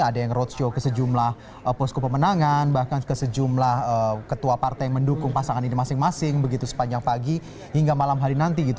ada yang roadshow ke sejumlah posko pemenangan bahkan ke sejumlah ketua partai yang mendukung pasangan ini masing masing begitu sepanjang pagi hingga malam hari nanti gitu